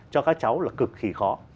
cho các cháu là cực kỳ khó